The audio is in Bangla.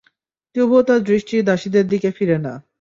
তবুও তার দৃষ্টি দাসীদের দিকে ফিরেনা।